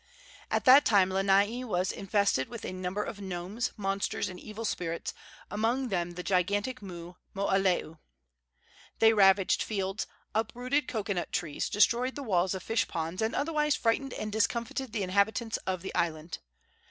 At that time Lanai was infested with a number of gnomes, monsters and evil spirits, among them the gigantic moo, Mooaleo. They ravaged fields, uprooted cocoanut trees, destroyed the walls of fish ponds, and otherwise frightened and discomfited the inhabitants of the island.